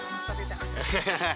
ハハハハ。